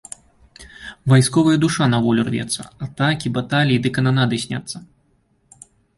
Вайсковая душа на волю рвецца, атакі, баталіі ды кананады сняцца.